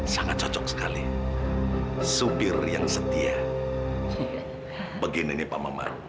sangat cocok sekali supir yang setia begini nih pak maman